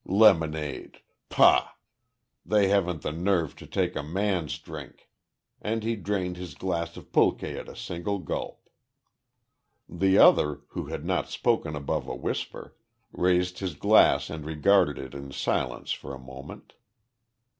"Lemonade! Pah! they haven't the nerve to take a man's drink!" and he drained his glass of pulque at a single gulp. The other, who had not spoken above a whisper, raised his glass and regarded it in silence for a moment.